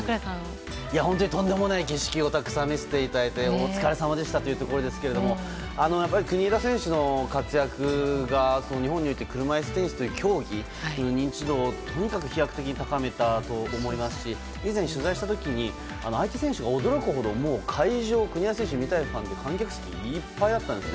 本当にとんでもない景色をたくさん見せていただいてお疲れさまでしたというところですが国枝選手の活躍が日本において車いすテニスの認知度をとにかく飛躍的に高めたと思いますし以前、取材した時に相手選手が驚くほど国枝選手を見たいファンで会場の観客席がいっぱいだったんです。